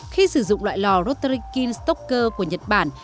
khi sử dụng loại lò rotary king stalker của nhật bản